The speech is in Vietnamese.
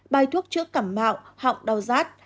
bài thuốc chữa cảm mạo họng đau rát